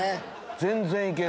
全然いける。